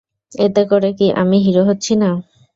এতে করে কি আমি হিরো হচ্ছি না?